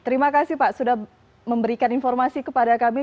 terima kasih pak sudah memberikan informasi kepada kami